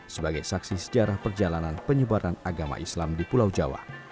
sebagai saksi sejarah perjalanan penyebaran agama islam di pulau jawa